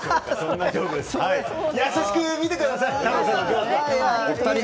優しく見てください！